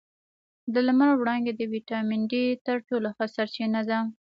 د لمر وړانګې د ویټامین ډي تر ټولو ښه سرچینه ده